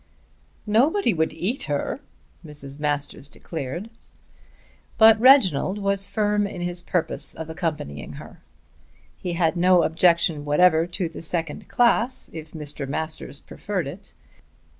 "Nobody would eat her," Mrs. Masters declared. But Reginald was firm in his purpose of accompanying her. He had no objection whatever to the second class, if Mr. Masters preferred it.